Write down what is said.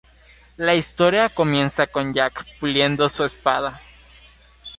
La historia comienza con Jack puliendo su espada.